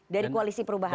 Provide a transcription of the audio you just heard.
dari koalisi perubahan